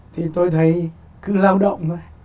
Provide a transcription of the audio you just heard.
thì tôi thấy cứ lao động thôi